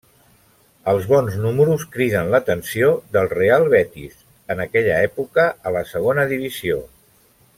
Els bons números criden l'atenció del Real Betis, en aquella època a la Segona Divisió.